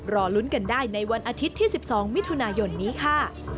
รอลุ้นกันได้ในวันอาทิตย์ที่๑๒มิถุนายนนี้ค่ะ